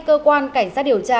cơ quan cảnh sát điều tra